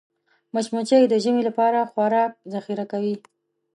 مچمچۍ د ژمي لپاره خوراک ذخیره کوي